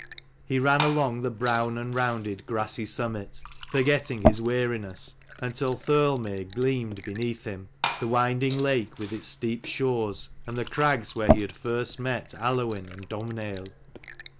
He ran along the brown and rounded grassy summit, forgetting his weariness, until Thirlmere gleamed beneath him, the winding lake with its steep shores, and the crags where he had first met Aluinn and Domhnaill.